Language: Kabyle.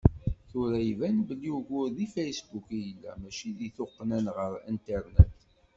Tura iban belli ugur deg Facebook i yella, mačči deg tuqqna ɣer Internet.